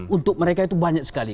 untuk mereka itu banyak sekali